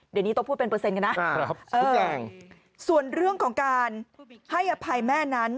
เดี๋ยวนี้ต้องพูดเป็นเปอร์เซ็นกันนะส่วนเรื่องของการให้อภัยแม่นั้น